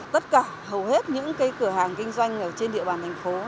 tất cả hầu hết những cái cửa hàng kinh doanh ở trên địa bàn thành phố